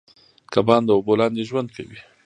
کبان د اوبو لاندې ژوند کوي